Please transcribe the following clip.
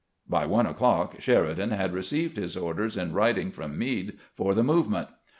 By one o'clock Sheridan had received his orders in writing from Meade for the movement.